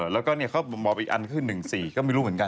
แล้วก็เขาบอกอีกอันคือ๑๔ก็ไม่รู้เหมือนกัน